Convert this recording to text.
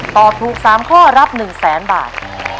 ตอบถูก๓ข้อรับ๑๐๐๐๐๐บาท